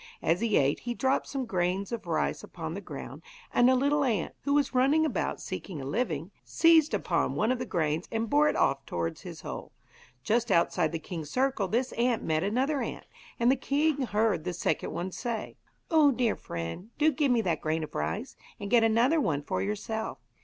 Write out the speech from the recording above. As he ate he dropped some grains of rice upon the ground, and a little ant, who was running about seeking a living, seized upon one of the grains and bore it off towards his hole. Just outside the king's circle this ant met another ant, and the king heard the second one say: 'Oh, dear friend, do give me that grain of rice, and get another one for yourself.